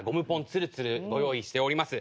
つるつるご用意しております。